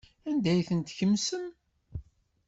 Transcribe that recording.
Anda ay ten-tkemsem?